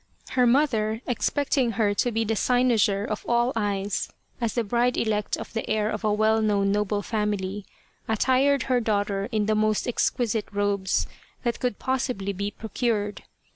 Her mother, expecting her to be the cynosure of all eyes as the bride elect of the heir of a well known noble family, attired her daughter in the most exquisite robes that could possibly be procured.